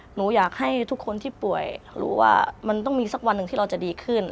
หนูอยากให้ทุกคนที่ป่วยรู้ว่ามันต้องมีสักวันหนึ่งที่เราจะดีขึ้น